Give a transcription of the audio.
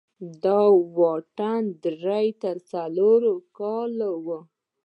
دا واټن درې تر څلور کاله و.